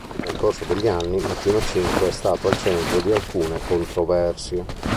Nel corso degli anni "Mattino Cinque" è stato al centro di alcune controversie.